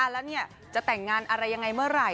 แล้วจะแต่งงานอะไรยังไงเมื่อไหร่